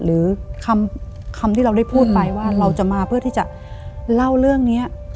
หรือคำที่เราได้พูดไปว่าเราจะมาเพื่อที่จะเล่าเรื่องนี้